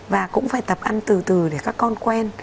và cũng phải tập ăn từ từ để các con quen